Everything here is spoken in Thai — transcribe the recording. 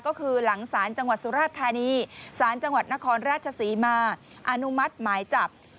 ก็คือหลังศาลจังหวัดสุราชธานีศาลจังหวัดนครราชศรีมาอนุมัติหมายจับ